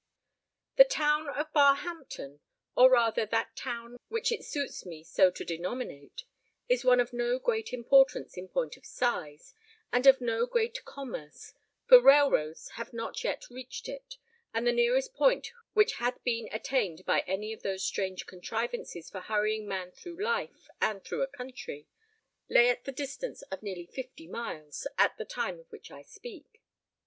The town of Barhampton or rather, that town which it suits me so to denominate is one of no great importance in point of size, and of no great commerce, for railroads have not yet reached it; and the nearest point which had been attained by any of those strange contrivances for hurrying man through life and through a country, lay at the distance of nearly fifty miles at the time of which I speak.